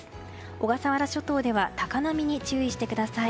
小笠原諸島では高波に注意してください。